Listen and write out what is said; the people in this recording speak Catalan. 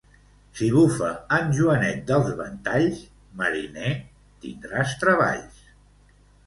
Si bufa en Joanet dels ventalls, mariner, tindràs treballs.